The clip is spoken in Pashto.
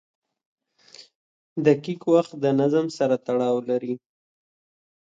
• دقیق وخت د نظم سره تړاو لري.